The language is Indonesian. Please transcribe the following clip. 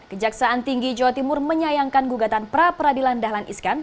kejaksaan tinggi jawa timur menyayangkan gugatan pra peradilan dahlan iskan